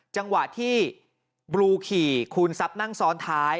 จังหวะที่บลูขี่คูณทรัพย์นั่งซ้อนท้าย